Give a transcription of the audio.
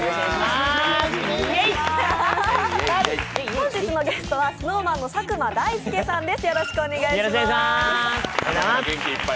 本日のゲストはＳｎｏｗＭａｎの佐久間大介さんです。